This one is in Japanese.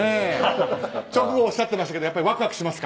直後おっしゃっていましたがワクワクしましたか？